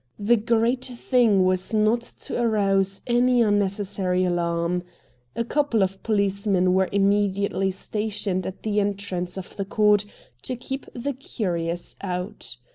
The great thing was not to arouse any un necessary alarm. A couple of policemen were immediately stationed at the entrance of the court to keep the curious out.